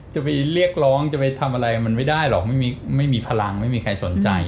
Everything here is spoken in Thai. จะไปเรียกร้องจะไปทำอะไรมันไม่ได้หรอกไม่มีพลังไม่มีใครสนใจ